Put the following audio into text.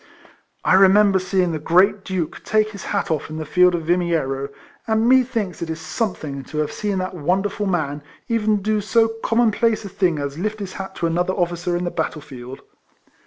I remember seeing the great Duke take his hat off in the field of Vimiero, and me thinks it is something to have seen that wonderful man even do so common place a thing as lift his hat to another officer in the battle field.